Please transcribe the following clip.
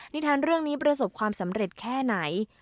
นิทานเรื่องนี้ประสบความสำเร็จแค่ไหน